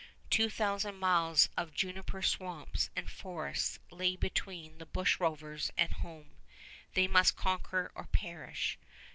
Two thousand miles of juniper swamps and forests lay between the bush rovers and home. They must conquer or perish.